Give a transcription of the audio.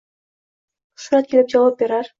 Shuhrat kelib javob berar